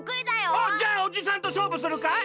おっじゃあおじさんとしょうぶするかい？